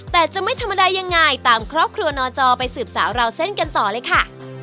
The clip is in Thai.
แต่จะไม่ธรรมดายังไงตามครอบครัวนอจอไปสืบสาวราวเส้นกันต่อเลยค่ะ